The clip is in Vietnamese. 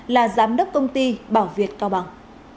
là giám đốc công ty bảo việt cao bằng